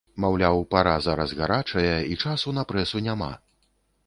Маўляў, пара зараз гарачая і часу на прэсу няма.